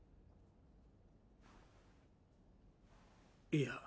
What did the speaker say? いや。